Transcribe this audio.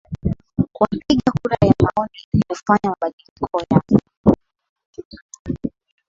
wakipiga kura ya maoni ilikufanya mabadiliko ya